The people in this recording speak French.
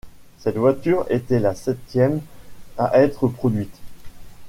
Cette voiture était la septième à être produite.